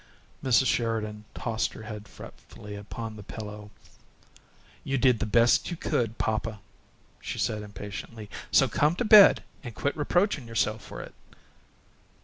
Mrs. Sheridan tossed her head fretfully upon the pillow. "You did the best you could, papa," she said, impatiently, "so come to bed and quit reproachin' yourself for it."